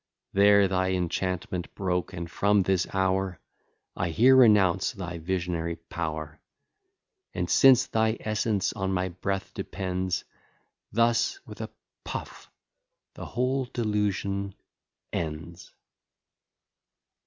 There thy enchantment broke, and from this hour I here renounce thy visionary power; And since thy essence on my breath depends Thus with a puff the whole delusion ends.